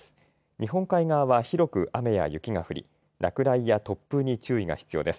日本海側は広く雨や雪が降り、落雷や突風に注意が必要です。